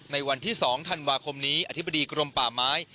ในวันที่๒ธันวาคมนี้อธิบดีกรมป่าไม้